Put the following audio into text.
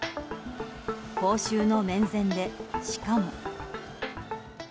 公衆の面前で、しかも。